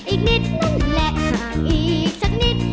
อีกนิดนั่นแหละอีกสักนิด